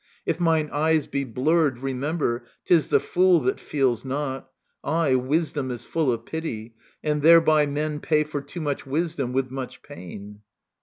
If mine eyes be blurred, Remember, 'tis the fool that feels not. Aye, Wisdom is full of pity ; and thereby Men pay for too much wisdom with much pain.